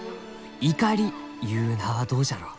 「『イカリ』ゆう名はどうじゃろう？